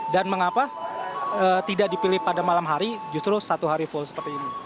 dan mengapa tidak dipilih pada malam hari justru satu hari full seperti ini